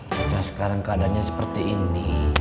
kita sekarang keadaannya seperti ini